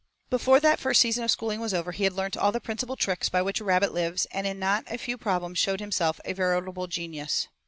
Before that first season of schooling was over he had learnt all the principal tricks by which a rabbit lives and in not a few problems showed himself a veritable genius.